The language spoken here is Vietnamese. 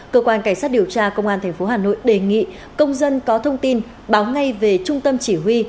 cơ quan cảnh sát điều tra công an tp hà nội đề nghị công dân có thông tin báo ngay về trung tâm chỉ huy